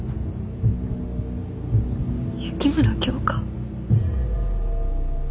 雪村京花？